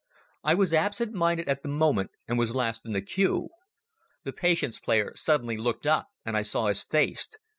I was absent minded at the moment and was last in the queue. The Patience player suddenly looked up and I saw his face.